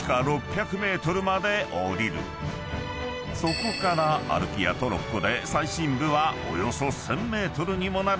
［そこから歩きやトロッコで最深部はおよそ１，０００ｍにもなる採掘現場へ］